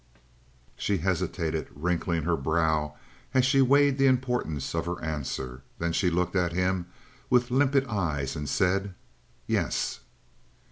She hesitated, wrinkling her brow as she weighed the importance of her answer. Then she looked at him with limpid eyes and said: "Yes."